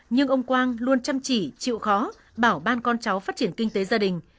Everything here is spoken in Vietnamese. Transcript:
nhưng ông quang luôn chăm chỉ chịu khó bảo ban con cháu phát triển kinh tế gia đình